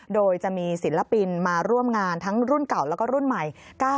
โดยจะมีศิลปินมาร่วมงานทั้งรุ่นเก่าแล้วก็รุ่นใหม่